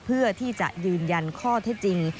เพื่อที่จะยืนยันข้อเท็จจริง